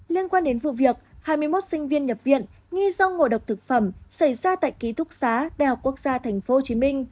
liên quan đến vụ việc hai mươi một sinh viên nhập viện nghi do ngộ độc thực phẩm xảy ra tại ký thúc xá đại học quốc gia tp hcm